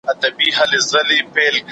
ذهني فشار مو کمیږي.